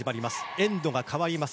エンドが変わります。